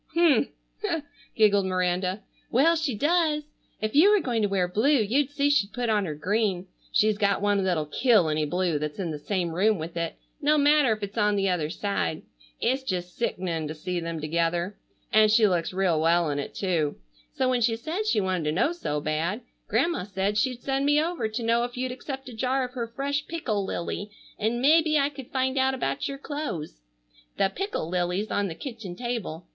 "H'm!" giggled Miranda. "Well, she does! If you were going to wear blue you'd see she'd put on her green. She's got one that'll kill any blue that's in the same room with it, no matter if it's on the other side. Its just sick'ning to see them together. And she looks real well in it too. So when she said she wanted to know so bad, Grandma said she'd send me over to know if you'd accept a jar of her fresh pickle lily, and mebbe I could find out about your clothes. The pickle lily's on the kitchen table.